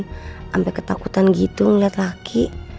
sampai ketakutan gitu ngeliat laki